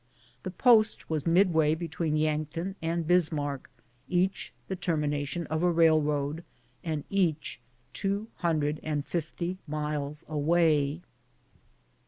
The post was midway between Yankton and Bismarck, each the termination of a railroad, and each two hundred and fifty miles away.